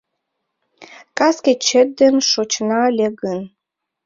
Кас кечет ден шочына ыле гын